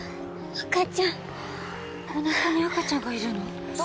赤ちゃんおなかに赤ちゃんがいるの？